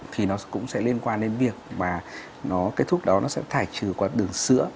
thì nó cũng sẽ liên quan đến việc mà cái thuốc đó nó sẽ thải trừ qua đường sữa